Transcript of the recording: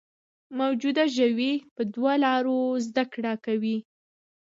موجوده ژوي په دوو لارو زده کړه کوي.